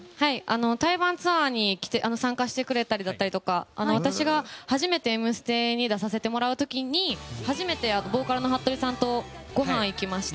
対バンツアーに参加してくれたりとか私が初めて「Ｍステ」に出させてもらう時に初めてボーカルのはっとりさんとごはんに行きまして。